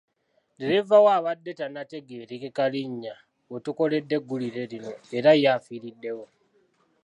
Ddereeva we abadde tannategeerekeka linnya we tukoledde eggulire lino era ye afiiriddewo.